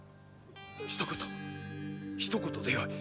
ひと言ひと言でよい。